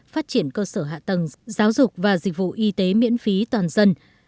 phát triển cơ sở hạ tầng giáo dục và dịch vụ y tế miễn phí toàn dân